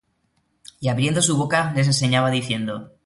Y abriendo su boca, les enseñaba, diciendo: